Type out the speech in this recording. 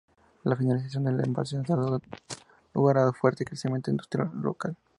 La finalización del embalse ha dado lugar a un fuerte crecimiento industrial local.